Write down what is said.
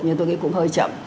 nhưng tôi nghĩ cũng hơi chậm